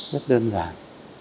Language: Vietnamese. rất đơn giản